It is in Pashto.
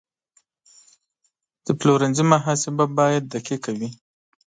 د پلورنځي محاسبه باید دقیقه وي.